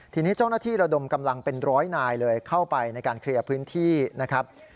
ทีนี้เจ้าหน้าที่ระดมกำลังเป็นร้อยนายเลยเข้าไปในการเคลียร์พื้นที่นะครับ